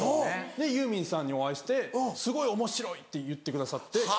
でユーミンさんにお会いしてすごいおもしろいって言ってくださって。